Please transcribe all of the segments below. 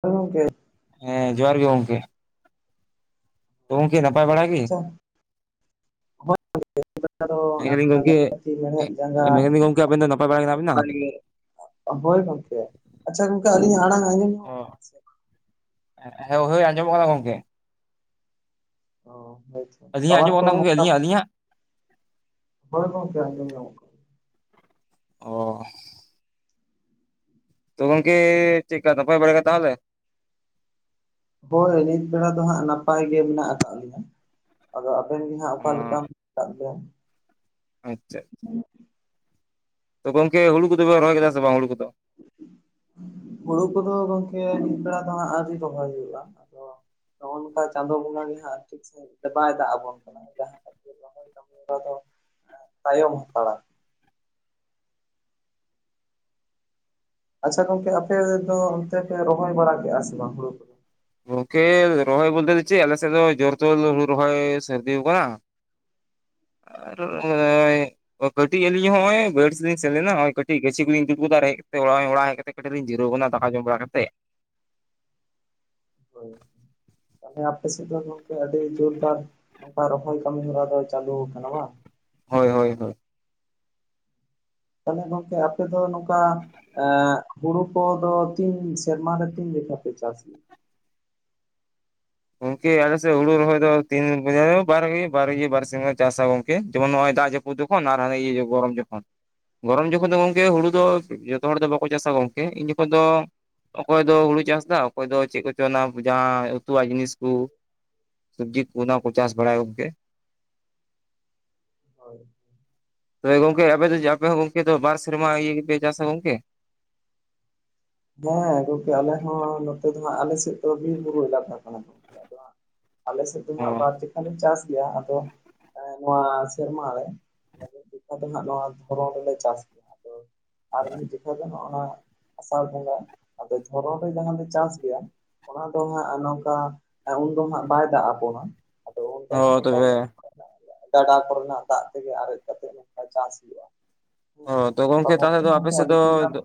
ᱦᱳᱭ ᱜᱚᱝᱠᱮ᱾ ᱦᱮᱸ, ᱡᱚᱦᱟᱨ ᱜᱮ ᱜᱚᱝᱠᱮ᱾ ᱛᱚ ᱜᱚᱝᱠᱮ ᱱᱟᱯᱟᱭ ᱵᱟᱲᱟ ᱜᱤ? ᱟᱪᱪᱷᱟ ᱢᱮᱱᱫᱟᱞᱤᱧ ᱜᱚᱝᱠᱮ [unintelligible] ᱢᱮᱲᱦᱮᱫ ᱡᱟᱸᱜᱟ ᱢᱮᱱᱫᱟᱹᱧ ᱜᱚᱝᱠᱮ ᱟᱵᱮᱱ ᱫᱚ ᱱᱟᱯᱟᱭ ᱵᱟᱲᱟ ᱜᱮ ᱦᱮᱱᱟᱜ ᱵᱮᱱᱟ [unintelligible] ᱦᱳᱭ ᱜᱚᱝᱠᱮ, ᱟᱪᱪᱷᱟ ᱜᱚᱝᱠᱮ ᱟᱹᱞᱤᱧᱟᱜ ᱟᱲᱟᱝ ᱟᱸᱡᱚᱢ ᱚ ᱧᱟᱢᱚᱜ ᱠᱟᱱᱟ ᱥᱮ? ᱦᱮᱸ ᱦᱳᱭ ᱟᱸᱡᱚᱢᱚᱜ ᱠᱟᱱᱟ ᱜᱚᱝᱠᱮ᱾ ᱚ ᱦᱳᱭ ᱾ ᱟᱹᱞᱤᱧᱟᱜ ᱟᱧᱡᱚᱢᱚᱜ ᱠᱟᱱᱟ ᱜᱚᱝᱠᱮ ᱟᱹᱞᱤᱧᱟᱜ ᱟᱹᱞᱤᱧᱟᱜ᱾ ᱦᱳᱭ ᱜᱚᱝᱠᱮ ᱟᱡᱚᱢ ᱧᱟᱢᱚᱜ ᱠᱟᱱᱟ᱾ ᱚᱻ᱾ ᱛᱚ ᱜᱚᱝᱠᱮ ᱪᱮᱜ ᱠᱟ ᱱᱟᱯᱟᱭ ᱵᱟᱲᱟ ᱜᱮ ᱛᱟᱦᱚᱞᱮ? ᱦᱳᱭ ᱱᱤᱛ ᱵᱮᱲᱟ ᱫᱚ ᱦᱟᱸᱜ ᱱᱟᱯᱟᱭ ᱜᱮ ᱢᱮᱱᱟᱜ ᱟᱠᱟᱜ ᱞᱤᱧᱟ᱾ ᱟᱫᱚ ᱟᱵᱮᱱ ᱜᱮ ᱦᱟᱸᱜ ᱚ ᱚᱠᱟ ᱞᱮᱠᱟ ᱢᱮᱛᱟᱜ ᱵᱮᱱ᱾ ᱟᱪᱪᱷᱟ᱾ ᱛᱚ ᱜᱚᱝᱠᱮ ᱦᱩᱲᱩ ᱠᱚᱫᱚ ᱵᱮᱱ ᱨᱚᱦᱚᱭ ᱠᱮᱫᱟ ᱥᱮ ᱵᱟᱝ ᱦᱩᱲᱩ ᱠᱚᱫᱚ᱾ ᱦᱩᱲᱩ ᱠᱚᱫᱚ ᱜᱚᱝᱠᱮ ᱚᱱᱠᱟ ᱫᱚ ᱦᱟᱸᱜ ᱟᱹᱣᱨᱤ ᱨᱚᱦᱚᱭ ᱦᱩᱭᱩᱜ-ᱟ, ᱟᱫᱚ ᱱᱚᱜ-ᱚ ᱱᱚᱝᱠᱟ ᱪᱟᱸᱫᱳ ᱵᱚᱸᱜᱟ ᱜᱮ ᱦᱟᱸᱜ ᱴᱷᱤᱠ ᱥᱟᱺᱦᱤᱡ ᱛᱮ ᱵᱟᱭ ᱫᱟᱜ ᱟᱵᱚᱱ ᱠᱟᱱᱟ ᱡᱟᱦᱟᱸᱱᱟᱜ ᱜᱮ᱾ ᱨᱚᱦᱚᱭ ᱫᱚ [unintelligible] ᱛᱟᱭᱚᱢ ᱦᱟᱛᱟᱲᱟ᱾ ᱟᱪᱪᱷᱟ ᱜᱚᱝᱠᱮ ᱟᱯᱮ ᱫᱚ ᱚᱱᱛᱮ ᱯᱮ ᱨᱚᱦᱚᱭ ᱵᱟᱲᱟ ᱠᱮᱜ-ᱟ ᱥᱮ ᱵᱟᱝ ᱦᱩᱲᱩ ᱠᱚ ᱫᱚ? ᱜᱚᱝᱠᱮ ᱨᱚᱦᱚᱭ ᱵᱚᱞᱛᱮ ᱫᱚ ᱪᱮᱫ ᱟᱞᱮ ᱥᱮᱫ ᱫᱚ ᱡᱳᱨ ᱛᱳᱞ ᱦᱩᱲᱩ ᱨᱚᱦᱚᱭ ᱥᱟᱨᱫᱤᱣ ᱟᱠᱟᱱᱟ᱾ ᱟᱨ ᱱᱚᱜ-ᱚᱭ ᱠᱟᱹᱴᱤᱡ ᱟᱹᱞᱤᱧ ᱦᱚᱸᱜ-ᱚᱭ ᱵᱟᱹᱭᱦᱟᱹᱲ ᱥᱮᱫᱞᱤᱧ ᱥᱮᱱ ᱞᱮᱱᱟ ᱠᱟᱹᱴᱤᱡ ᱜᱟᱪᱷᱤ ᱠᱚᱞᱤᱧ [unintelligible] ᱟᱨ ᱦᱮᱡ ᱠᱟᱛᱮ ᱚᱲᱟᱜ ᱚᱲᱟᱜ ᱦᱮᱡ ᱠᱟᱛᱮ ᱠᱟᱹᱴᱤᱡ ᱞᱤᱧ ᱡᱤᱨᱟᱹᱣ ᱠᱟᱱᱟ ᱫᱟᱠᱟ ᱡᱚᱢ ᱵᱟᱲᱟ ᱠᱟᱛᱮᱜ᱾ ᱦᱳᱭ᱾ ᱛᱟᱦᱚᱞᱮ ᱟᱯᱮ ᱥᱮᱫ ᱫᱚ ᱜᱚᱝᱠᱮ ᱟᱹᱰᱤ ᱡᱳᱨᱫᱟᱨ, ᱱᱚᱝᱠᱟ ᱨᱚᱦᱚᱭ ᱠᱟᱹᱢᱤ ᱦᱚᱨᱟ ᱫᱚ ᱪᱟᱞᱩ ᱟᱠᱟᱱᱟ ᱵᱟᱝ? ᱦᱳᱭ ᱦᱳᱭ ᱦᱳᱭ᱾ ᱛᱟᱦᱚᱞᱮ ᱜᱚᱝᱠᱮ ᱟᱯᱮ ᱫᱚ ᱱᱚᱝᱠᱟ ᱮᱸᱻ ᱦᱩᱲᱩ ᱠᱚᱫᱚ ᱛᱤᱱ ᱥᱮᱨᱢᱟ ᱨᱮ ᱛᱤᱱ ᱡᱮᱠᱟᱷᱟ ᱯᱮ ᱪᱟᱥ ᱜᱮᱭᱟ? ᱜᱚᱝᱠᱮ ᱟᱞᱮ ᱥᱮᱫ ᱦᱩᱲᱩ ᱨᱚᱦᱚᱭ ᱫᱚ ᱛᱤᱱ ᱡᱟᱭᱦᱳᱠ ᱵᱟᱨ ᱜᱮ ᱵᱟᱨ ᱜᱮ ᱵᱟᱨ ᱥᱮᱨᱢᱟ ᱪᱟᱥᱟ ᱜᱚᱝᱠᱮ ᱡᱮᱢᱚᱱ ᱱᱚᱜᱼᱚᱭ ᱫᱟᱜ ᱡᱚ ᱠᱚ ᱛᱚᱠᱷᱚᱱ ᱟᱨ ᱤᱭᱟᱹ ᱜᱚᱨᱚᱢ ᱡᱚᱠᱷᱚᱱ᱾ ᱜᱚᱨᱚᱢ ᱡᱚᱠᱷᱚᱱ ᱫᱚ ᱜᱚᱝᱠᱮ ᱦᱩᱲᱩ ᱫᱚ ᱡᱚᱛᱚ ᱦᱚᱲ ᱫᱚ ᱵᱟᱠᱚ ᱪᱟᱥᱟ ᱜᱚᱝᱠᱮ ᱤᱱ ᱡᱚᱠᱷᱚᱱ ᱫᱚ ᱚᱠᱚᱭ ᱫᱚ ᱦᱩᱲᱩ ᱪᱟᱥ ᱮᱫᱟ, ᱚᱠᱚᱭ ᱫᱚ ᱪᱮᱫ ᱠᱚᱪᱚ ᱚᱱᱟ ᱡᱟᱦᱟᱸ ᱛᱩᱣᱟᱜ ᱡᱤᱱᱤᱥ ᱠᱚ, ᱥᱚᱵᱽᱡᱤ ᱠᱚ ᱚᱱᱟ ᱠᱚ ᱪᱟᱥ ᱵᱟᱲᱟᱭ ᱜᱚᱝᱠᱮ᱾ ᱦᱳᱭ᱾ ᱛᱚᱵᱮ ᱜᱚᱝᱠᱮ ᱟᱯᱮ ᱫᱚ ᱪᱮᱜ ᱟᱯᱮ ᱦᱚᱸ ᱜᱚᱝᱠᱮ ᱛᱚ ᱵᱟᱨ ᱥᱮᱨᱢᱟ ᱤᱭᱟᱹ ᱜᱮᱯᱮ ᱪᱟᱥᱟ ᱜᱚᱝᱠᱮ? ᱦᱮᱸ ᱜᱚᱝᱠᱮ ᱟᱞᱮ ᱦᱚᱸ ᱱᱚᱛᱮ ᱫᱚ ᱦᱟᱸᱜ ᱟᱞᱮ ᱥᱮᱫ ᱫᱚ ᱵᱤᱨ ᱵᱩᱨᱩ ᱮᱞᱟᱠᱟ ᱠᱟᱱᱟ [inaudible] ᱟᱞᱮ ᱥᱮᱫ ᱫᱚ ᱚ ᱦᱟᱸᱜ ᱵᱟᱨ ᱡᱮᱠᱷᱟ ᱞᱮ ᱪᱟᱥ ᱜᱮᱭᱟ ᱟᱫᱚ ᱮᱸ ᱱᱚᱣᱟ ᱥᱮᱨᱢᱟ ᱨᱮ [inaudible] ᱱᱚᱣᱟ ᱫᱷᱚᱨᱚᱱ ᱨᱮᱞᱮ ᱪᱟᱥ ᱜᱮᱭᱟ ᱟᱫᱚ ᱟᱨ ᱢᱤᱫ ᱡᱚᱠᱷᱟᱡ ᱫᱚ ᱱᱚᱜ-ᱚ ᱱᱚᱣᱟ ᱟᱥᱟᱲ ᱵᱚᱸᱜᱟ, ᱟᱫᱚ ᱫᱷᱚᱨᱚᱱ ᱨᱮ ᱡᱟᱦᱟᱸᱞᱮ ᱪᱟᱥ ᱜᱮᱭᱟ ᱚᱱᱟ ᱫᱚ ᱦᱟᱸᱜ ᱱᱚᱝᱠᱟ, ᱮᱸᱻ ᱩᱱ ᱫᱚ ᱱᱟᱦᱟᱜ ᱵᱟᱭ ᱫᱟᱜ ᱟᱵᱚᱱᱟ, ᱟᱫᱚ [inaudible] [inaudible] ᱚ ᱛᱚᱵᱮ ᱜᱟᱰᱟ ᱠᱚ ᱨᱮᱱᱟᱜ ᱫᱟᱜ ᱛᱮᱜᱮ ᱟᱨᱮᱡ ᱠᱟᱛᱮᱜ ᱱᱚᱝᱠᱟ ᱪᱟᱥ ᱦᱩᱭᱩᱜᱼᱟ᱾ ᱚ ᱛᱚ ᱜᱚᱝᱠᱮ ᱛᱟᱦᱚᱞᱮ ᱫᱚ ᱟᱯᱮ ᱥᱮᱫ ᱫᱚ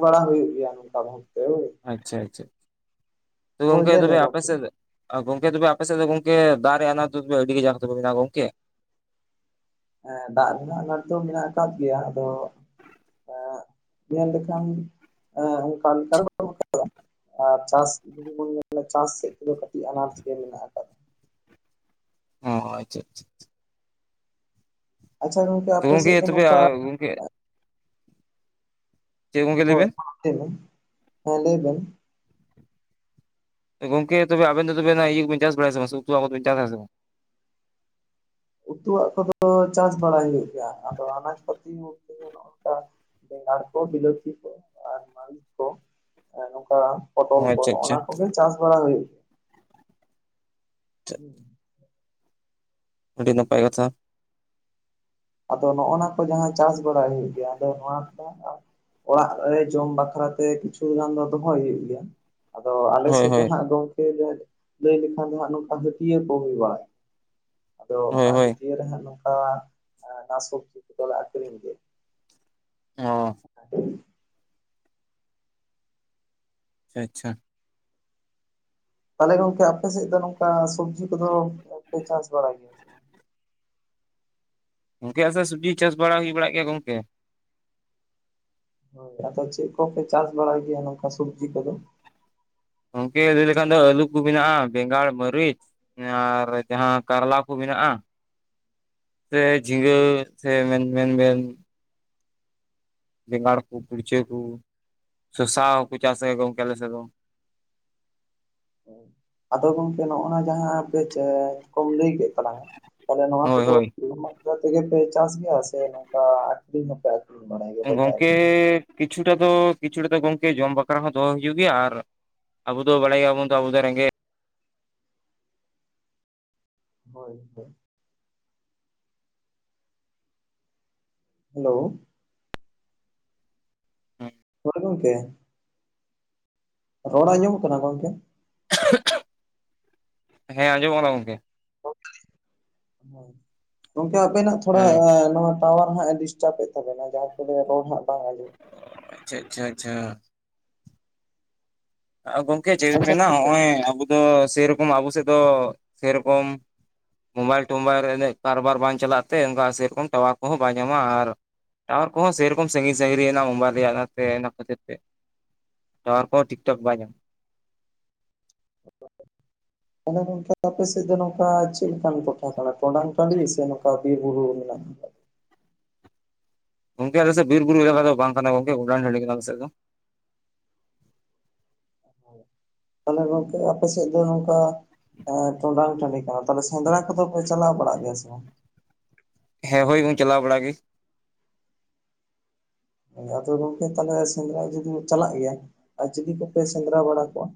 [inaudible] ᱵᱟᱲᱟ ᱦᱩᱭᱩᱜ ᱜᱮᱭᱟ ᱱᱚᱝᱠᱟ [inaudible] ᱟᱪᱪᱷᱟ ᱟᱪᱪᱷᱟ, ᱛᱚᱵᱮ ᱦᱳᱭ ᱜᱚᱝᱠᱮ ᱞᱟᱹᱭ ᱛᱟᱦᱚᱞᱮ ᱢᱮ ᱟᱯᱮ ᱥᱮᱫ ᱟᱨ ᱜᱚᱝᱠᱮ ᱛᱚᱵᱮ ᱟᱯᱮ ᱥᱮᱫ ᱫᱚ ᱜᱚᱝᱠᱮ ᱫᱟᱜ ᱨᱮᱭᱟᱜ ᱟᱱᱟᱴ ᱫᱚ ᱛᱚᱵᱮ ᱟᱹᱰᱤ [unintelligible] ᱜᱚᱝᱠᱮ᱾ ᱦᱮᱸ ᱫᱟᱜ ᱨᱮᱱᱟᱜ ᱟᱱᱟᱴ ᱫᱚ ᱢᱮᱱᱟᱜ ᱟᱠᱟᱫ ᱜᱮᱭᱟ ᱟᱫᱚ ᱮᱸ, ᱧᱮᱞ ᱞᱮᱠᱷᱟᱱ, ᱚᱱᱠᱟ ᱞᱮᱠᱟ [inaudible] ᱟᱨ ᱪᱟᱥ ᱡᱩᱫᱤ ᱵᱚᱱ ᱧᱮᱞᱟ ᱪᱟᱥ ᱥᱮᱫ ᱛᱮᱫᱚ ᱠᱟᱹᱴᱤᱡ ᱟᱱᱟᱡ ᱜᱮ ᱢᱮᱱᱟᱜ ᱟᱠᱟᱫᱟ᱾ ᱚ ᱟᱪᱪᱷᱟ ᱟᱪᱪᱷᱟ ᱟᱪᱪᱷᱟ᱾ ᱟᱪᱪᱷᱟ ᱜᱚᱝᱠᱮ ᱛᱚ ᱟᱯᱮ ᱥᱮᱫ ᱫᱚ ᱛᱚᱵᱮ ᱱᱚᱝᱠᱟ ᱜᱚᱝᱠᱮ ᱪᱮᱫ ᱜᱚᱝᱠᱮ ᱞᱟᱹᱭ ᱵᱮᱱ [inaudible] ᱦᱮᱸ ᱞᱟᱹᱭ ᱵᱮᱱ᱾ ᱮ ᱜᱚᱝᱠᱮ ᱛᱚᱵᱮ ᱟᱵᱮᱱ ᱫᱚ ᱛᱚᱵᱮ ᱱᱚᱣᱟ ᱤᱭᱟᱹ ᱠᱚ ᱵᱮᱱ ᱪᱟᱥ ᱵᱟᱲᱟᱭ ᱥᱮ ᱵᱟᱝ, [unintelligible] ᱪᱟᱥ ᱥᱮ ᱵᱟᱝ? ᱩᱛᱩᱣᱟᱜ ᱠᱚᱫᱚ ᱪᱟᱥ ᱵᱟᱲᱟᱭ ᱦᱩᱭᱩᱜ ᱜᱮᱭᱟ ᱟᱫᱚ ᱟᱱᱟᱡ ᱯᱟᱹᱛᱤ ᱠᱚ ᱱᱚᱜ-ᱚ ᱱᱚᱝᱠᱟ ᱵᱮᱸᱜᱟᱲ ᱠᱚ, ᱵᱤᱞᱟᱹᱛᱤ ᱠᱚ, ᱟᱨ ᱢᱟᱨᱤᱪ ᱠᱚ [unintelligible] ᱱᱚᱝᱠᱟ ᱚ ᱯᱚᱴᱚᱞ ᱠᱚ ᱟᱪᱪᱷᱟ ᱦᱚᱸᱜ ᱟᱪᱪᱷᱟ ᱚᱱᱟ ᱠᱚᱜᱮ ᱪᱟᱥ ᱵᱟᱲᱟ ᱦᱩᱭ ᱜᱮᱭᱟ, ᱦᱩᱸ᱾ ᱟᱰᱤ ᱱᱟᱯᱟᱭ ᱠᱟᱛᱷᱟ᱾ ᱟᱫᱚ ᱱᱚᱜᱼᱚ ᱱᱟ ᱠᱚ ᱡᱟᱦᱟᱸ ᱪᱟᱥ ᱵᱟᱲᱟᱭ ᱦᱩᱭᱩᱜ ᱜᱮᱭᱟ ᱟᱫᱚ ᱱᱚᱣᱟ ᱠᱚ [inaudible] ᱚᱲᱟᱜ ᱨᱮ ᱡᱚᱢ ᱵᱟᱠᱷᱨᱟ ᱛᱮ ᱠᱤᱪᱷᱩ ᱜᱟᱱ ᱫᱚ ᱫᱚᱦᱚᱭ ᱦᱩᱭᱩᱜ ᱜᱮᱭᱟ, ᱟᱫᱚ ᱟᱞᱮ ᱦᱳᱭ ᱥᱮᱫ ᱫᱚ ᱦᱳᱭ ᱦᱟᱸᱜ ᱜᱚᱝ ᱠᱮ [unintelligible] ᱞᱟᱹᱭ ᱞᱮᱠᱷᱟᱱ ᱫᱚ ᱦᱟᱸᱜ ᱱᱚᱝᱠᱟ ᱦᱟᱹᱴᱤᱭᱟᱹ ᱠᱚ ᱦᱩᱭ ᱵᱟᱲᱟᱭ, ᱟᱫᱚ ᱦᱳᱭ ᱚᱱᱟ ᱦᱳᱭ ᱦᱟᱹᱴᱤᱭᱟᱹ ᱨᱮ ᱦᱟᱸᱜ ᱱᱚᱝᱠᱟ ᱟᱱᱟᱡ ᱥᱚᱵᱡᱤ ᱠᱚᱫᱚᱞᱮ ᱟᱠᱨᱤᱧ ᱜᱮ, [inaudible] ᱚ ᱟᱪᱪᱷᱟ ᱟᱪᱪᱷᱟ᱾ ᱛᱟᱦᱚᱞᱮ ᱜᱚᱝᱠᱮ ᱟᱯᱮ ᱥᱮᱫ ᱫᱚ ᱱᱚᱝᱠᱟ ᱥᱚᱵᱡᱤ ᱠᱚᱫᱚ ᱯᱮ ᱪᱟᱥ ᱵᱟᱲᱟᱭ ᱜᱮᱭᱟ? ᱥᱮ ᱵᱟᱝ ᱜᱚᱢᱠᱮ ᱟᱞᱮ ᱥᱮ ᱥᱚᱵᱽᱡᱤ ᱪᱟᱥ ᱵᱟᱲᱟ ᱦᱩᱭ ᱵᱟᱲᱟᱜ ᱜᱮᱭᱟ ᱜᱚᱢᱠᱮ᱾ ᱦᱳᱭ ᱟᱫᱚ ᱪᱮᱫ ᱠᱚᱯᱮ ᱪᱟᱥ ᱵᱟᱲᱟᱭ ᱜᱮᱭᱟ ᱱᱚᱝᱠᱟ ᱥᱚᱵᱽᱡᱤ ᱠᱚᱫᱚ? ᱜᱚᱢᱠᱮ ᱞᱟᱹᱭ ᱞᱮᱠᱷᱟᱱ ᱫᱚ ᱟᱹᱞᱩ ᱠᱚ ᱢᱮᱱᱟᱜᱼᱟ ᱵᱮᱸᱜᱟᱲ, ᱢᱟᱹᱨᱤᱪ ᱾ ᱟᱨ ᱡᱟᱦᱟᱸ ᱠᱟᱨᱞᱟ ᱠᱚ ᱢᱮᱱᱟᱜᱼᱟ ᱾ ᱥᱮ ᱡᱷᱤᱸᱜᱟᱹ ᱥᱮ ᱢᱮᱱᱢᱮᱱ ᱵᱮᱱ, ᱵᱮᱸᱜᱟᱲ ᱠᱚ ᱠᱩᱲᱪᱟᱹ ᱠᱚ ᱥᱚᱥᱟ ᱠᱚ ᱪᱟᱥᱟ ᱜᱚᱢᱠᱮ ᱟᱞᱮ ᱥᱮᱫ ᱫᱚ᱾ ᱟᱫᱚ ᱜᱚᱝᱠᱮ ᱱᱚᱜᱼ ᱱᱚᱣᱟ ᱡᱟᱦᱟᱸ ᱯᱮ ᱠᱚᱢ ᱞᱟᱹᱭ ᱠᱮᱫ ᱛᱟᱞᱟᱝᱟ ᱛᱟᱦᱚᱞᱮ ᱱᱚᱣᱟ ᱠᱚ ᱦᱳᱭ ᱫᱚ? ᱦᱳᱭ ᱛᱮ ᱜᱮ ᱯᱮ ᱪᱟᱥ ᱜᱮᱭᱟ ᱥᱮ ᱱᱚᱝᱠᱟ ᱟᱠᱷᱨᱤᱧ ᱦᱚᱸ ᱯᱮ ᱟᱠᱷᱨᱤᱧ ᱵᱟᱲᱟᱭ ᱜᱮᱭᱟ ᱵᱟᱡᱟᱨ ᱜᱚᱢᱠᱮ ᱠᱤᱪᱷᱩᱴᱟ ᱫᱚ ᱠᱤᱪᱷᱩᱴᱟ ᱫᱚ ᱜᱚᱢᱠᱮ ᱡᱚᱢ ᱵᱟᱠᱷᱨᱟ ᱦᱚᱸ ᱫᱚ ᱦᱚ ᱦᱩᱭᱩᱜ ᱜᱮᱭᱟ ᱟᱨ ᱟᱵᱚ ᱫᱚ ᱵᱟᱲᱟᱭ ᱜᱮᱭᱟ ᱵᱚᱱ ᱛᱚ ᱟᱵᱚ ᱫᱚ ᱨᱮᱜᱮᱡ ᱦᱳᱭ ᱦᱳᱭ, ᱦᱮᱞᱳ, [inaudible] ᱜᱚᱢᱠᱮ ᱨᱚᱲ ᱟᱡᱸᱢᱚᱜ ᱠᱟᱱᱟ ᱜᱚᱢᱠᱮ? ᱦᱮᱸ ᱟᱸᱡᱚᱢᱚᱜ ᱠᱟᱱᱟ ᱜᱚᱢᱠᱮ ᱾ ᱜᱚᱢᱠᱮ ᱟᱯᱮᱱᱟᱜ ᱛᱷᱚᱲᱟ ᱦᱮᱸ ᱱᱚᱣᱟ, ᱴᱟᱣᱟᱨ ᱦᱟᱸᱜ ᱮ ᱰᱤᱥᱴᱟᱵ ᱮᱫ ᱛᱟᱵᱮᱱᱟ ᱡᱟᱦᱟᱸ ᱛᱮ ᱫᱚ ᱨᱚᱲ ᱦᱟᱸᱜ ᱵᱟᱝ ᱟᱡᱚᱢ ᱟᱪᱪᱷᱟ ᱟᱪᱪᱷᱟ ᱟᱪᱪᱷᱟ, ᱜᱚᱢᱠᱮ ᱪᱮᱫ ᱠᱟᱱᱟ ᱟᱪᱪᱷᱟ ᱢᱮᱱᱟᱜᱼᱟ ᱜᱚᱝᱠᱮ ᱱᱚᱜᱼᱚᱭ ᱟᱵᱚ ᱫᱚ ᱥᱮᱨᱚᱠᱚᱢ ᱟᱵᱚ ᱥᱮᱫ ᱫᱚ ᱥᱮᱨᱚᱠᱚᱢ, ᱢᱳᱵᱟᱭᱤᱞ ᱴᱳᱵᱟᱭᱤᱞ ᱨᱮ ᱩᱱᱟᱹᱜ ᱠᱟᱨᱵᱟᱨ ᱵᱟᱝ ᱪᱟᱞᱟᱜ ᱛᱮ ᱚᱱᱠᱟ ᱥᱮᱨᱚᱠᱚᱢ ᱴᱟᱣᱟᱨ ᱠᱚᱦᱚᱸ ᱵᱟᱭ ᱧᱟᱢᱟ ᱟᱨ ᱴᱟᱣᱟᱨ ᱠᱚ ᱦᱚᱸ ᱥᱮᱨᱚᱠᱚᱢ ᱥᱟᱺᱜᱤᱧ ᱥᱟᱺᱜᱤᱧ ᱚᱱᱟ ᱢᱳᱵᱟᱭᱤᱞ ᱨᱮᱭᱟᱜ ᱯᱮ ᱚᱱᱟ ᱠᱷᱟᱹᱛᱤᱨ ᱛᱮ ᱴᱟᱣᱟᱨ ᱠᱚ ᱦᱚᱸ ᱴᱷᱤᱠ ᱴᱷᱚᱠ ᱵᱟᱭ ᱧᱟᱢᱟ ᱛᱟᱦᱚᱞᱮ ᱜᱚᱢᱠᱮ ᱟᱯᱮ ᱥᱮᱫ ᱫᱚ ᱱᱚᱝᱠᱟ ᱪᱮᱫ ᱞᱮᱠᱟᱱ ᱴᱚᱴᱷᱟ ᱠᱟᱱᱟ ᱴᱚᱰᱟᱝ ᱴᱟᱺᱰᱤ ᱥᱮ ᱱᱚᱝᱠᱟ? ᱵᱤᱨ ᱵᱩᱨᱩ ᱨᱮ ᱢᱮᱱᱟᱜ ᱯᱮᱭᱟ ᱜᱚᱢᱠᱮ ᱟᱞᱮ ᱥᱮᱫ ᱵᱤᱨ ᱵᱩᱨᱩ ᱮᱞᱟᱠᱟ ᱫᱚ ᱵᱟᱝ ᱠᱟᱱᱟ ᱜᱚᱢᱠᱮ ᱜᱚᱰᱟᱱ ᱴᱟᱺᱰᱤ ᱠᱟᱱᱟ ᱟᱞᱮ ᱥᱮᱫ ᱫᱚ᱾ ᱛᱟᱦᱚᱞᱮ ᱜᱚᱢᱠᱮ ᱟᱯᱮ ᱥᱮᱫ ᱫᱚ ᱱᱚᱝᱠᱟ ᱴᱚᱸᱰᱟᱝ ᱴᱟᱺᱰᱤ ᱠᱟᱱᱟ ᱛᱚ ᱛᱟᱦᱞᱮ ᱥᱮᱸᱫᱽᱨᱟ ᱠᱚ ᱫᱚ ᱯᱮ ᱪᱟᱞᱟᱣ ᱵᱟᱲᱟᱜ ᱜᱮᱭᱟ ᱥᱮ ᱵᱟᱝ? ᱦᱮᱸ ᱦᱳᱭ ᱵᱚᱱ ᱪᱟᱞᱟᱣ ᱵᱟᱲᱟᱜ ᱜᱮ ᱾ ᱟᱫᱚ ᱜᱚᱢᱠᱮ ᱛᱟᱦᱚᱞᱮ ᱥᱮᱸᱫᱽᱨᱟ ᱡᱩᱫᱤᱢ ᱪᱟᱞᱟᱜ ᱜᱮᱭᱟ ᱟᱨ ᱪᱤᱞᱤ ᱠᱚᱯᱮ ᱥᱮᱸᱫᱽᱨᱟ ᱵᱟᱲᱟ ᱠᱚᱣᱟ?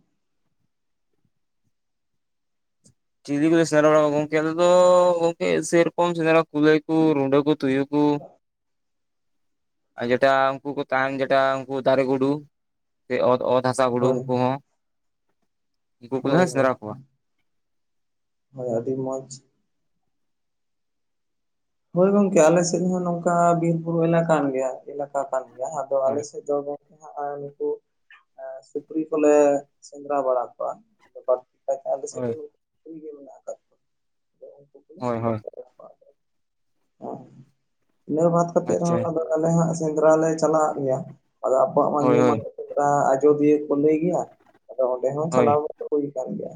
ᱪᱮᱫᱤ ᱞᱮ ᱥᱮᱸᱫᱽᱨᱟ ᱵᱟᱲᱟ ᱜᱚᱢᱠᱮ ᱟᱞᱮ ᱫᱚ ᱜᱚᱢᱠᱮ ᱥᱮᱨᱚᱠᱚᱢ ᱥᱮᱸᱫᱽᱨᱟ ᱠᱩᱞᱟᱹᱭ ᱠᱚ ᱨᱩᱰᱟᱹ ᱠᱚ ᱛᱩᱭᱩ ᱠᱚ ᱟᱨ ᱡᱮᱴᱟ ᱩᱱᱠᱩ ᱠᱚ ᱛᱟᱦᱮᱱ ᱡᱮᱴᱟ ᱩᱱᱠᱩ ᱫᱟᱨᱮ ᱜᱩᱰᱩ ᱥᱮ ᱚᱛ ᱚᱛ, ᱫᱷᱟᱥᱟ ᱵᱩᱰᱩ ᱦᱳᱭ ᱩᱱᱠᱩ ᱦᱚᱸ ᱩᱱᱠᱩ ᱠᱚᱞᱮ ᱦᱚ ᱦᱳᱭ ᱦᱳᱭ ᱥᱮᱸᱫᱽᱨᱟ ᱠᱚᱣᱟ ᱦᱳᱭ, ᱟᱹᱰᱤ ᱢᱚᱸᱡᱽ ᱦᱳᱭ ᱜᱚᱢᱠᱮ ᱟᱞᱮ ᱥᱮᱫ ᱦᱚᱸ ᱱᱚᱝᱠᱟ ᱵᱤᱨ ᱵᱩᱨᱩ ᱮᱞᱟ ᱠᱟᱱ ᱜᱮᱭᱟ ᱮᱞᱟᱠᱟ ᱠᱟᱱ ᱜᱮᱭᱟ ᱟᱫᱚ ᱟᱞᱮ ᱦᱳᱭ ᱥᱮᱫ ᱫᱚ ᱦᱚᱜ-ᱚᱭ ᱱᱩᱠᱩ ᱥᱩᱠᱨᱤ ᱠᱚᱞᱮ ᱥᱮᱸᱫᱽᱨᱟ ᱵᱟᱲᱟ ᱠᱚᱣᱟ ᱞᱟᱨᱟᱮ ᱰᱤ ᱥᱮᱫ ᱦᱳᱭ ᱥᱩᱠᱨᱤ ᱜᱮ ᱢᱮᱱᱟᱜ ᱟᱠᱟᱫ ᱠᱚᱣᱟ ᱟᱫᱚ ᱩᱱᱠᱩ ᱠᱚ ᱞᱮ ᱦᱳᱭ ᱥᱮᱫᱽᱨᱟ ᱦᱳᱭ ᱵᱟᱲᱟ ᱠᱚᱣᱟ ᱤᱱᱟᱹ ᱵᱟᱫᱽ ᱠᱟᱛᱮᱫ ᱟᱪᱪᱷᱟ ᱦᱚᱸ ᱟᱫᱚ ᱟᱞᱮ ᱦᱟᱸᱜ ᱥᱮᱸᱫᱽᱨᱟ ᱞᱮ ᱪᱟᱞᱟᱜ ᱜᱮᱭᱟ ᱾ ᱟᱫᱚ ᱟᱵᱚᱣᱟᱜ ᱦᱳᱭ ᱦᱳᱭ [inaudible] ᱟᱡᱚᱫᱤᱭᱟᱹ ᱠᱚ ᱞᱟᱹᱭ ᱜᱮᱭᱟ ᱟᱫᱚ ᱚᱸᱰᱮ ᱦᱚᱸ ᱦᱳᱭ ᱪᱟᱞᱟᱣ ᱦᱳᱭ, ᱠᱟᱱ ᱜᱮᱭᱟ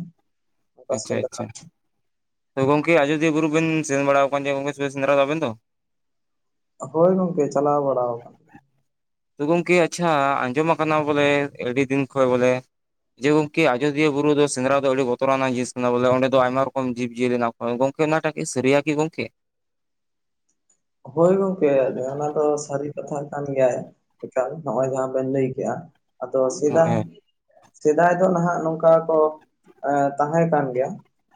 ᱚᱱᱠᱟ ᱟᱪᱪᱷᱟ ᱥᱮᱸᱫᱽᱨᱟ ᱟᱪᱪᱷᱟ ᱛᱚ ᱜᱚᱢᱠᱮ ᱟᱡᱚᱫᱤᱭᱟᱹ ᱵᱩᱨᱩ ᱵᱮᱱ ᱥᱮᱱ ᱵᱟᱲᱟ ᱟᱠᱟᱱ ᱜᱮᱭᱟ ᱜᱚᱢᱠᱮ ᱥᱮ ᱥᱮᱸᱫᱽᱨᱟ ᱛᱟᱵᱮᱱ ᱫᱚ? ᱦᱳᱭ ᱜᱚᱢᱠᱮ ᱪᱟᱞᱟᱣ ᱵᱟᱲᱟᱣ ᱟᱠᱟᱱᱟᱹᱧ ᱾ ᱛᱚ ᱜᱚᱢᱠᱮ ᱟᱪᱪᱷᱟ ᱟᱸᱡᱚᱢᱟ ᱠᱟᱱᱟ ᱵᱚᱞᱮ ᱟᱹᱰᱤ ᱫᱤᱱ ᱠᱷᱚᱡ ᱵᱚᱞᱮ ᱡᱮ ᱜᱚᱢᱠᱤ ᱟᱡᱚᱫᱤᱭᱟᱹ ᱵᱩᱨᱩ ᱫᱚ ᱥᱮᱸᱫᱽᱨᱟ ᱫᱚ ᱟᱹᱰᱤ ᱵᱚᱛᱚᱨᱟᱱᱟᱜ ᱡᱤᱱᱤᱥ ᱠᱟᱱᱟ ᱵᱚᱞᱮ ᱚᱸᱰᱮ ᱫᱚ ᱟᱭᱢᱟ ᱨᱚᱠᱚᱢ ᱡᱤᱵᱽ ᱡᱤᱭᱟᱹᱞᱤ ᱦᱮᱱᱟ ᱠᱚ ᱦᱳᱭ ᱜᱚᱢᱠᱮ [inaudible] ᱜᱚᱢᱠᱮ? ᱦᱳᱭ ᱜᱚᱢᱠᱮ ᱚᱱᱟ ᱫᱚ ᱥᱟᱹᱨᱤ ᱠᱟᱛᱷᱟ ᱠᱟᱱ ᱜᱮᱭᱟ ᱾ ᱮᱠᱟᱞ ᱱᱚᱜᱼᱚᱭ ᱡᱟᱦᱟᱸ ᱵᱮᱱ ᱞᱟᱹᱭ ᱠᱮᱜᱼᱟ ᱟᱫᱚ ᱥᱮᱫᱟᱭ ᱦᱳᱭ ᱥᱮᱫᱟᱭ ᱫᱚ ᱱᱟᱦᱟᱜ ᱱᱚᱝᱠᱟ ᱠᱚ ᱮᱸ ᱛᱟᱦᱮᱸ ᱠᱟᱱ ᱜᱮᱭᱟ᱾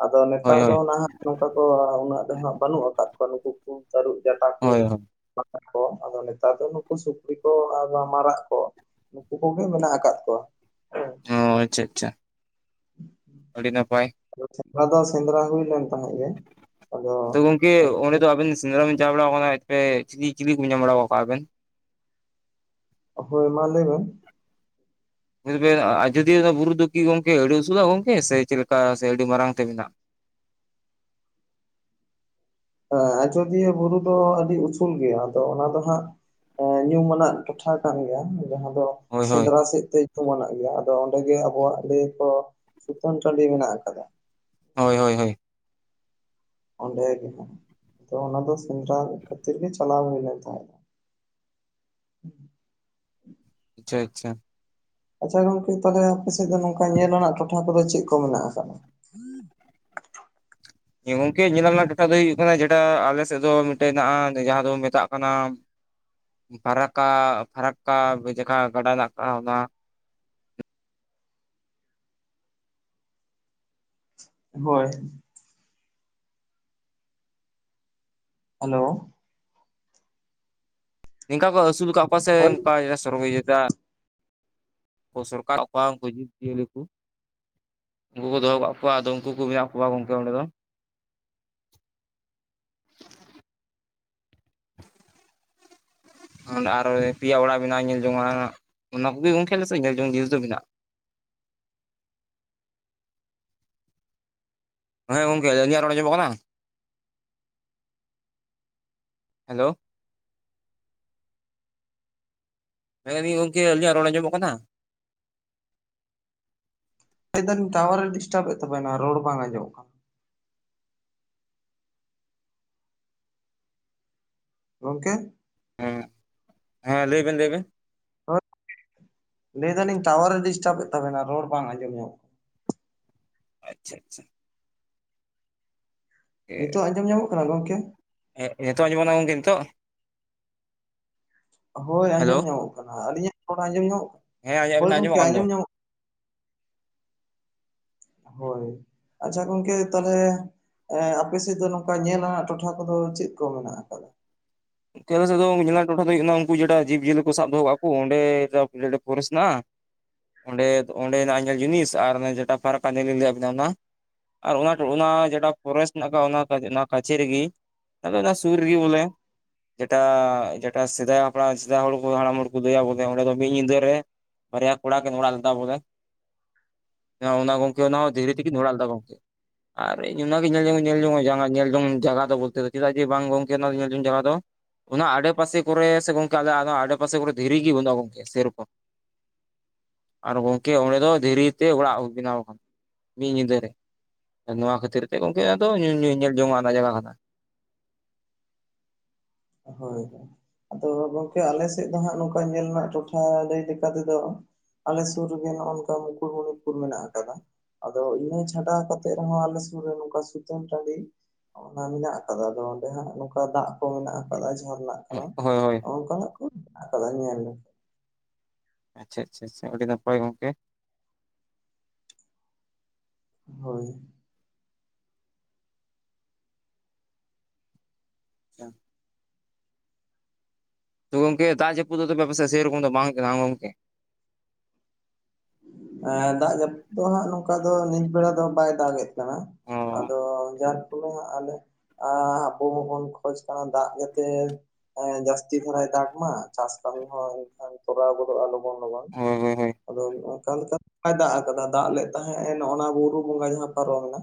ᱟᱫᱚ ᱦᱳᱭ ᱱᱮᱛᱟᱨ ᱦᱳᱭ ᱫᱚ ᱱᱟᱦᱟᱜ ᱱᱚᱝᱠᱟ ᱠᱚ ᱩᱱᱟᱹᱜ ᱫᱚ ᱦᱟᱸᱜ ᱵᱟᱹᱱᱩᱜ ᱟᱠᱟᱫ ᱠᱚᱣᱟ ᱱᱩᱠᱩ - ᱠᱩᱞ, ᱛᱟᱨᱩᱵ ᱴᱟ ᱠᱚ ᱦᱳᱭ [unintelligible] ᱠᱚ ᱟᱫᱚ ᱱᱮᱛᱟᱨ ᱫᱚ ᱱᱩᱠᱩ ᱥᱩᱠᱨᱤ ᱠᱚ ᱟᱨ ᱢᱟᱨᱟᱜ ᱠᱚ ᱱᱩᱠᱩ ᱠᱚ ᱜᱮ ᱢᱮᱱᱟᱜ ᱟᱠᱟᱫ ᱠᱚᱣᱟ᱾ ᱦᱮᱸ ᱚ ᱟᱪᱪᱷᱟ ᱟᱪᱪᱷᱟ᱾ ᱟᱹᱰᱤ ᱱᱟᱯᱟᱭ᱾ ᱟᱫᱚ ᱥᱮᱸᱫᱽᱨᱟ ᱫᱚ ᱥᱮᱸᱫᱽᱨᱟ ᱦᱩᱭ ᱞᱮᱱ ᱛᱟᱦᱮᱸᱫ ᱜᱮ, ᱟᱫᱚ ᱜᱮ ᱚᱸᱰᱮ ᱫᱚ ᱟᱵᱤᱱ ᱥᱮᱸᱫᱽᱨᱟ ᱵᱤᱱ ᱪᱟᱣ ᱵᱟᱲᱟᱣ ᱠᱟᱱᱟ ᱮᱛᱮ ᱪᱤᱞᱤ ᱪᱤᱞᱤ ᱠᱚᱵᱤᱱ ᱧᱟᱢ ᱵᱟᱲᱟᱣ ᱟᱠᱟᱜᱼᱠᱚᱣᱟ ᱟᱵᱮᱱ? ᱦᱳᱭ ᱢᱟ ᱞᱟᱹᱭ ᱢᱮ᱾ ᱧᱮᱞᱵᱮᱱ ᱟᱡᱚᱫᱤᱭᱟᱹ ᱫᱚ ᱵᱩᱨᱩ ᱫᱚᱠᱤ ᱜᱚᱢᱠᱮ ᱟᱹᱰᱤ ᱩᱥᱩᱞᱟ ᱜᱚᱢᱠᱮ ᱥᱮ ᱪᱮᱫ ᱞᱮᱠᱟ ᱥᱮ ᱟᱹᱰᱤ ᱢᱟᱨᱟᱝ ᱛᱮ ᱢᱮᱱᱟᱜ? ᱦᱮᱸ ᱟᱡᱚᱫᱤᱭᱟᱹ ᱵᱩᱨᱩ ᱫᱚ ᱟᱹᱰᱤ ᱩᱥᱩᱞ ᱜᱮᱭᱟ ᱟᱫᱚ ᱚᱱᱟ ᱫᱚ ᱦᱟᱸᱜ ᱦᱮᱸ ᱧᱩᱢᱟᱱᱟᱜ ᱴᱚᱴᱷᱟ ᱠᱟᱱ ᱜᱮᱭᱟ, ᱡᱟᱦᱟᱸ ᱫᱚ ᱦᱳᱭ ᱦᱳᱭ ᱥᱮᱸᱫᱽᱨᱟ ᱥᱮᱫᱛᱮ ᱢᱮᱱᱟᱜ ᱜᱮᱭᱟ ᱟᱫᱚ ᱚᱸᱰᱮ ᱜᱮ ᱟᱵᱚᱣᱟᱜ ᱞᱮᱭᱟᱠᱚ ᱥᱩᱛᱟᱹᱱ ᱴᱟᱺᱰᱤ ᱢᱮᱱᱟᱜ ᱟᱠᱟᱫᱟ᱾ ᱦᱳᱭ ᱦᱳᱭ ᱦᱳᱭ᱾ ᱚᱸᱰᱮ ᱜᱮ ᱦᱮᱱᱟᱜ-ᱟ, ᱟᱫᱚ ᱚᱱᱟ ᱫᱚ ᱥᱮᱸᱫᱽᱨᱟ ᱠᱷᱟᱹᱛᱤᱨ ᱜᱮ ᱪᱟᱞᱟᱣ ᱦᱩᱭ ᱞᱮᱱ ᱛᱟᱦᱮᱜ-ᱟ᱾ ᱟᱪᱪᱷᱟ ᱟᱪᱪᱷᱟ᱾ ᱟᱪᱪᱷᱟ ᱜᱚᱢᱠᱮ ᱛᱟᱦᱟᱞᱮ ᱟᱯᱮᱥᱮᱫ ᱫᱚ ᱱᱚᱝᱠᱟ ᱧᱮᱞ ᱨᱮᱱᱟᱜ ᱴᱚᱴᱷᱟ ᱠᱚᱫᱚ ᱪᱮᱫ ᱠᱚ ᱢᱮᱱᱟᱜ ᱟᱠᱟᱫᱟ? [inaudible] ᱦᱮᱸ ᱜᱚᱢᱠᱮ ᱧᱮᱞ ᱨᱮᱱᱟᱜ ᱴᱚᱴᱷᱟ ᱫᱚ ᱦᱳᱭᱳᱜ ᱠᱟᱱᱟ ᱡᱮᱴᱟ ᱟᱞᱮᱥᱮᱫ ᱫᱚ ᱢᱤᱫᱴᱮᱡ ᱦᱮᱱᱟᱜ ᱡᱟᱦᱟᱸ ᱫᱚ ᱢᱮᱛᱟᱜ ᱠᱟᱱᱟᱢ [inaudible] ᱯᱷᱟᱨᱟᱠᱟ ᱯᱷᱟᱨᱟᱠᱟ ᱡᱟᱦᱟᱸ ᱜᱟᱰᱟ ᱫᱟᱜ ᱠᱟᱱᱟ ᱚᱱᱟ᱾ ᱦᱳᱭ᱾ ᱦᱮᱞᱳ ᱱᱤᱝᱠᱟ ᱠᱚ ᱟᱹᱥᱩᱞ ᱟᱠᱟᱫ ᱠᱚᱣᱟ ᱥᱮ ᱦᱳᱭ ᱚᱱᱠᱟ ᱥᱚᱨᱵᱚ ᱡᱟᱫᱟ ᱚᱥᱚᱨᱠᱟᱨ ᱚᱠᱟ ᱠᱷᱚᱱ ᱠᱚ ᱦᱤᱡᱩᱜ ᱜᱮᱭᱟ ᱡᱤᱵᱽᱡᱤᱭᱟᱹᱞᱤ ᱠᱚ? ᱩᱱᱠᱩ ᱠᱚ ᱫᱚᱦᱚ ᱟᱠᱟᱫ ᱠᱚᱣᱟ ᱟᱫᱚ ᱩᱱᱠᱩ ᱠᱚ ᱢᱮᱱᱟᱜ ᱠᱚᱣᱟ ᱜᱚᱢᱠᱮ ᱚᱸᱰᱮ ᱫᱚ᱾ ᱚᱸᱰᱮ ᱟᱨᱚ ᱯᱮᱭᱟ ᱚᱲᱟᱜ ᱢᱮᱱᱟᱜᱼᱟ ᱧᱮᱞ ᱡᱚᱝᱟᱜ ᱚᱱᱟ ᱠᱚᱜᱮ ᱜᱚᱢᱠᱮ ᱟᱞᱮᱥᱮᱫ ᱧᱮᱞ ᱡᱚᱝ ᱡᱤᱱᱤᱥ ᱫᱚ ᱢᱮᱱᱟᱜᱼᱟ᱾ ᱢᱟᱱᱮ ᱜᱚᱢᱠᱮ ᱤᱧᱟᱜ ᱨᱚᱲ ᱟᱡᱚᱢᱚᱜ ᱠᱟᱱᱟ ᱦᱮᱞᱳ ᱞᱮᱭᱮᱜᱟᱞᱤᱧ ᱜᱚᱢᱠᱮ ᱟᱹᱞᱤᱧᱟᱜ ᱨᱚᱲ ᱟᱸᱡᱚᱢᱚᱜ ᱠᱟᱱᱟ? ᱞᱮᱭᱫᱟᱞᱤᱧ ᱴᱟᱣᱟᱨᱮ ᱰᱤᱥᱴᱟᱨᱵᱮᱫ ᱛᱟᱱᱤᱱᱟ ᱨᱚᱲ ᱵᱟᱝ ᱟᱡᱚᱢᱚᱜ ᱠᱟᱱᱟ᱾ ᱜᱚᱢᱠᱮ ᱦᱮᱸ ᱦᱮᱸ ᱞᱟᱹᱭᱵᱮᱱ ᱞᱟᱹᱭᱵᱤᱱ᱾ [unintelligible] ᱞᱟᱹᱭ ᱫᱟᱞᱤᱧ ᱴᱟᱣᱟᱨᱮ ᱰᱤᱥᱴᱟᱵᱮᱫ ᱛᱟᱵᱮᱱᱟ ᱨᱚᱲ ᱵᱟᱝ ᱟᱸᱡᱚᱢ ᱧᱟᱢᱚᱜ ᱠᱟᱱᱟ ᱟᱪᱪᱷᱟ ᱟᱪᱪᱷᱟ᱾ ᱱᱤᱛᱚᱜ ᱟᱸᱡᱚᱢ ᱧᱟᱢᱚᱜ ᱠᱟᱱᱟ ᱜᱚᱝᱠᱮ? ᱦᱮᱸᱜ ᱱᱤᱛᱚᱜ ᱟᱸᱡᱚᱢᱜᱟᱱᱚᱜ-ᱟ ᱜᱚᱝᱠᱮ ᱱᱤᱛᱚᱜ? ᱦᱳᱭ ᱦᱮᱞᱳ ᱟᱸᱡᱚᱢ ᱧᱟᱢᱚᱜ ᱠᱟᱱᱟ, ᱟᱹᱞᱤᱧᱟᱜ ᱛᱷᱚᱲᱟ ᱟᱸᱡᱚᱢ ᱧᱟᱢᱚᱜ ᱠᱟᱱᱟ? ᱦᱮᱸ ᱦᱳᱭ ᱟᱵᱤᱱᱟᱝ ᱜᱚᱢᱠᱮ ᱟᱡᱚᱢᱚᱜ ᱠᱟᱱ ᱫᱚ᱾ ᱟᱸᱡᱚᱢ ᱧᱟᱢᱚᱜ ᱦᱳᱭ ᱟᱪᱪᱷᱟ ᱜᱚᱝᱠᱮ ᱛᱟᱦᱚᱞᱮ ᱟᱯᱮ ᱥᱮᱫ ᱫᱚ ᱱᱚᱝᱠᱟ ᱧᱮᱞ ᱟᱱᱟᱜ ᱴᱚᱴᱷᱟ ᱠᱚᱫᱚ ᱪᱮᱫ ᱠᱚ ᱢᱮᱱᱟᱜ ᱟᱠᱟᱫᱟ? ᱠᱮᱣᱨᱟ ᱥᱟᱫᱚᱢ ᱧᱮᱞᱨᱮᱱᱟᱜ ᱴᱚᱴᱷᱟ ᱫᱚ ᱦᱩᱭᱩᱜ ᱠᱟᱱᱟ ᱩᱱᱠᱩ ᱡᱮᱴᱟ ᱡᱤᱵᱽ ᱡᱤᱭᱟᱹᱞᱤ ᱠᱚ ᱥᱟᱵ ᱫᱚᱦᱚ ᱠᱟᱜ ᱠᱚ ᱚᱸᱰᱮ [unintelligible] ᱯᱷᱚᱨᱮᱥᱴ ᱦᱮᱱᱟᱜ-ᱟ ᱚᱸᱰᱮ ᱚᱸᱰᱮᱱᱟᱜ ᱧᱮᱞ ᱡᱤᱱᱤᱥ ᱟᱨ ᱡᱮᱴᱟ ᱯᱷᱟᱨᱟᱠᱟ ᱧᱮᱞᱤᱧ ᱞᱟᱹᱭᱟᱵᱤᱱᱟ ᱚᱱᱟ᱾ ᱟᱨ ᱚᱱᱟ ᱚᱱᱟ ᱡᱮᱴᱟ ᱯᱷᱚᱨᱮᱥᱴ ᱢᱮᱱᱟᱜᱱᱟᱜ ᱟᱠᱟᱜ-ᱟ ᱚᱱᱟ ᱚᱱᱟ ᱠᱟᱪᱷᱮ ᱨᱮᱜᱮ᱾ ᱢᱤᱫᱴᱟᱝ ᱢᱮᱱᱟᱜ-ᱟ ᱥᱩᱨ ᱨᱮᱜᱮ ᱵᱚᱞᱮ᱾ ᱡᱮᱴᱟ ᱡᱮᱴᱟ ᱥᱮᱫᱟᱭ ᱦᱟᱯᱲᱟᱢ ᱥᱮᱫᱟᱭ ᱦᱚᱲ ᱠᱚ ᱦᱟᱲᱟᱢ ᱦᱚᱲ ᱠᱚᱫᱚ ᱞᱟᱹᱭᱟ ᱵᱚᱞᱮ ᱚᱸᱰᱮ ᱫᱚ ᱢᱤᱫ ᱧᱤᱫᱟᱹ ᱨᱮ ᱵᱟᱨᱭᱟ ᱠᱩᱲᱟ ᱠᱤᱱ ᱚᱲᱟᱜ ᱞᱮᱫᱟ ᱵᱚᱞᱮ ᱚᱱᱟ ᱦᱚᱸ ᱜᱚᱢᱠᱮ ᱫᱷᱤᱨᱤ ᱛᱮᱠᱤᱱ ᱚᱲᱟᱜ ᱞᱮᱫᱟ ᱜᱚᱢᱠᱮ᱾ [inaudible] ᱟᱨ ᱤᱧ ᱚᱱᱟᱜᱮ ᱧᱮᱞ ᱡᱚᱝ ᱧᱮᱞ ᱡᱚᱝᱚᱜ ᱡᱟᱜᱟ ᱧᱮᱞ ᱡᱚᱝ ᱡᱟᱜᱟ ᱫᱚ ᱵᱚᱞᱛᱮ ᱫᱚ ᱪᱮᱫᱟᱜ ᱡᱮ ᱵᱟᱝ ᱜᱚᱝᱠᱮ ᱚᱱᱟ ᱧᱮᱞ ᱡᱚᱝ ᱡᱟᱜᱟ ᱫᱚ ᱚᱱᱟ ᱟᱲᱮᱯᱟᱥᱮ ᱠᱚᱨᱮ ᱥᱮ ᱜᱚᱝᱠᱮ ᱟᱞᱮ ᱚᱱᱟ ᱟᱲᱮᱯᱟᱥᱮ ᱠᱚᱨᱮ ᱫᱷᱤᱨᱤ ᱜᱮ ᱵᱟᱹᱱᱩᱜᱼᱟ ᱜᱚᱝᱠᱮ ᱥᱮᱨᱚᱠᱚᱢ᱾ ᱟᱨ ᱜᱚᱢᱠᱮ ᱚᱸᱰᱮ ᱫᱚ ᱫᱷᱤᱨᱤᱛᱮ ᱚᱲᱟᱜ ᱵᱮᱱᱟᱣ ᱠᱟᱱᱟ ᱢᱤᱫ ᱧᱤᱫᱟᱹ ᱨᱮ᱾ ᱱᱚᱣᱟ ᱠᱷᱟᱹᱛᱤᱨ ᱛᱮ ᱜᱚᱝᱠᱮ ᱟᱫᱚ ᱧᱩ ᱧᱮᱞ ᱡᱚᱝᱚᱜᱼᱟ ᱚᱱᱟ ᱡᱟᱜᱟ ᱠᱟᱱᱟ᱾ ᱦᱳᱭ ᱦᱳᱭ᱾ ᱟᱫᱚ ᱜᱚᱝᱠᱮ ᱟᱞᱮ ᱥᱮᱫ ᱫᱚ ᱦᱟᱸᱜ ᱱᱚᱝᱠᱟ ᱧᱮᱞ ᱨᱮᱱᱟᱜ ᱴᱚᱴᱷᱟ ᱞᱟᱹᱭ ᱞᱮᱠᱟ ᱛᱮᱫᱚ ᱟᱞᱮ ᱥᱩᱨ ᱨᱮᱜᱮ ᱱᱚᱸᱜ ᱱᱚᱝᱠᱟ ᱢᱩᱠᱩᱴᱢᱩᱱᱤᱯᱩᱨ ᱢᱮᱱᱟᱜ ᱠᱟᱫᱟ, ᱟᱫᱚ ᱤᱱᱟᱹ ᱪᱷᱟᱰᱟᱣ ᱠᱟᱛᱮᱜ ᱨᱮᱦᱚᱸ ᱟᱞᱮ ᱥᱩᱨ ᱨᱮ ᱱᱚᱝᱠᱟ ᱥᱩᱛᱟᱹᱱ ᱴᱟᱺᱰᱤ ᱚᱱᱟ ᱢᱮᱱᱟᱜ ᱠᱟᱫᱟ ᱟᱫᱚ ᱚᱸᱰᱮ ᱦᱟᱸᱜ ᱱᱚᱝᱠᱟ ᱫᱟᱜ ᱠᱚ ᱢᱮᱱᱟᱜᱼᱟ᱾ ᱠᱟᱫᱟ ᱡᱷᱟᱨᱱᱟᱜ ᱠᱟᱱᱟ ᱦᱳᱭ ᱦᱳᱭ ᱚᱱᱠᱟᱱᱟᱜ ᱠᱚ ᱢᱮᱱᱟᱜ ᱠᱟᱫᱟ ᱧᱮᱞᱤᱧ᱾ ᱟᱪᱪᱷᱟ ᱟᱪᱪᱷᱟ ᱟᱹᱰᱤ ᱱᱟᱯᱟᱭ ᱜᱚᱝᱠᱮ᱾ ᱦᱳᱭ᱾ ᱟᱪᱪᱷᱟ᱾ ᱛᱳ ᱜᱚᱢᱠᱮ ᱫᱟᱜ ᱡᱟᱹᱯᱩ ᱫᱚ ᱟᱯᱮᱥᱮᱜ ᱥᱮᱨᱚᱠᱚᱢ ᱫᱚ ᱵᱟᱝ ᱦᱩᱭᱩᱜ ᱠᱟᱱᱟ ᱜᱚᱢᱠᱮ? ᱮᱸ ᱫᱟᱜ ᱡᱟᱹᱯᱩᱫ ᱫᱚ ᱦᱟᱸᱜ ᱱᱚᱝᱠᱟ ᱫᱚ ᱱᱤᱛ ᱵᱮᱲᱟ ᱫᱚ ᱵᱟᱭ ᱫᱟᱜ ᱮᱫ ᱠᱟᱱᱟ ᱚ ᱟᱫᱚ ᱡᱟᱨ ᱯᱷᱚᱞᱮ ᱦᱟᱸᱜ ᱟᱞᱮ ᱟᱨ ᱟᱵᱚ ᱦᱚᱸ ᱵᱚᱱ ᱠᱷᱚᱡ ᱠᱟᱱᱟ ᱫᱟᱜ ᱠᱟᱛᱮ ᱦᱮᱸ, ᱡᱟᱹᱥᱛᱤ ᱫᱷᱟᱨᱟᱭ ᱫᱟᱜ ᱢᱟ, ᱪᱟᱥ ᱠᱟᱹᱢᱤ ᱦᱚᱸ ᱮᱱᱠᱷᱟᱱ ᱛᱚᱨᱟᱣ ᱜᱚᱫᱚᱜᱼᱟ ᱞᱚ ᱞᱚᱜᱚᱱ ᱞᱚᱜᱚᱱ, ᱦᱳᱭ ᱦᱳᱭ ᱦᱳᱭ ᱟᱫᱚ ᱚᱱᱠᱟ ᱞᱮᱠᱟ ᱫᱚ ᱵᱟᱭ ᱫᱟᱜ ᱠᱟᱫᱟ, ᱫᱟᱜ ᱞᱮᱫ ᱛᱟᱦᱮᱸᱜ ᱱᱚᱸᱜᱼ ᱱᱚᱣᱟ ᱵᱩᱨᱩ ᱵᱚᱸᱜᱟ ᱡᱟᱦᱟᱸ ᱯᱟᱨᱚᱢᱮᱱᱟ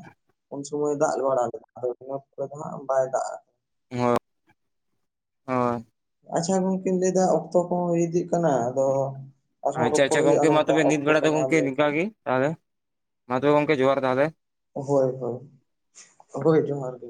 ᱩᱱ ᱥᱩᱚᱢᱚᱭ ᱫᱟᱜ ᱵᱟᱲᱟ ᱞᱮᱫᱟ, ᱟᱫᱚ ᱤᱱᱟᱹ ᱯᱚᱨᱮ ᱫᱚ ᱦᱟᱸᱜ ᱵᱟᱭ ᱫᱟᱜ [inaudible] [inaudible] ᱟᱠᱟᱫᱟ᱾ ᱟᱪᱪᱷᱟ ᱜᱚᱝᱠᱮᱧ ᱞᱟᱹᱭᱫᱟ ᱚᱠᱛᱚ ᱠᱚᱦᱚᱸ ᱦᱩᱭ ᱤᱫᱤᱜ ᱠᱟᱱᱟ, ᱟᱫᱚ ᱟᱨᱦᱚᱸ ᱟᱪᱪᱷᱟ ᱨᱚᱯᱚᱲ ᱟᱪᱪᱷᱟ ᱦᱩᱭᱩᱜᱼᱟ ᱜᱚᱝᱠᱮ ᱢᱟ ᱱᱚᱝᱠᱟ ᱛᱚᱵᱮ ᱱᱤᱛ ᱚᱠᱛᱚ ᱵᱮᱲᱟ ᱠᱚ ᱫᱚ ᱧᱟᱢ ᱜᱚᱝᱠᱮ ᱱᱤᱝᱠᱟ ᱞᱮᱱᱠᱷᱟᱱ ᱜᱮ ᱛᱟᱦᱟᱞᱮ, ᱢᱟ ᱛᱚᱵᱮ ᱜᱚᱝᱠᱮ ᱡᱚᱦᱟᱨ ᱛᱟᱦᱟᱞᱮ᱾ ᱦᱳᱭ ᱦᱳᱭ ᱦᱳᱭ ᱡᱚᱦᱟᱨ ᱜᱮ᱾